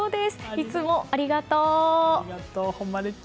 いつもありがとう！